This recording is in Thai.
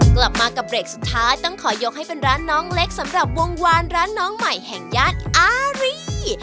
กลับมากับเบรกสุดท้ายต้องขอยกให้เป็นร้านน้องเล็กสำหรับวงวานร้านน้องใหม่แห่งย่านอารี